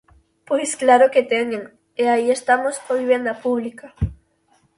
Pois claro que teñen, e aí estamos coa vivenda pública.